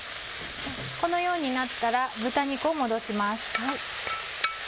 このようになったら豚肉を戻します。